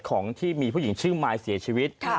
ของที่มีผู้หญิงชื่อมายเสียชีวิต